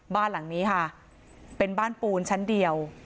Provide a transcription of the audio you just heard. บ้านหลังนี้ค่ะเป็นบ้านปูนชั้นเดียว